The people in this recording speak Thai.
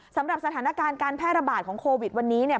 สำหรับสถานการณ์การแพร่ระบาดของโควิดวันนี้เนี่ย